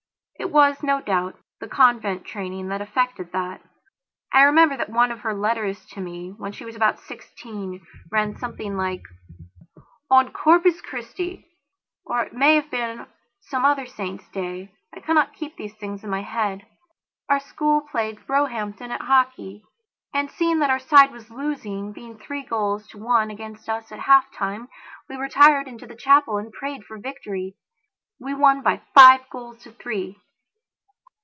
It was, no doubt, the convent training that effected that. I remember that one of her letters to me, when she was about sixteen, ran something like: "On Corpus Christi"or it may have been some other saint's day, I cannot keep these things in my head"our school played Roehampton at Hockey. And, seeing that our side was losing, being three goals to one against us at halftime, we retired into the chapel and prayed for victory. We won by five goals to three."